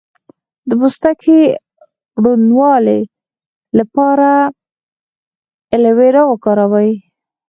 د پوستکي روڼوالي لپاره ایلوویرا وکاروئ